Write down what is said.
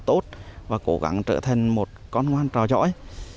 tốt và cố gắng trở thành một con ngoan trò giỏi